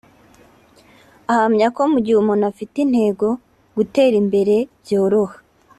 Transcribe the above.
ahamya ko mu gihe umuntu afite intego gutera imbere byoroha